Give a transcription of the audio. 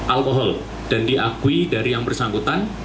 alkohol dan diakui dari yang bersangkutan